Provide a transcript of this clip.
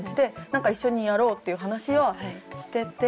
なんか一緒にやろうっていう話はしてて。